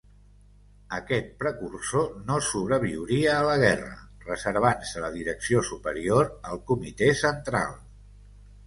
Aquest precursor no sobreviuria a la guerra, reservant-se la direcció superior al Comitè Central.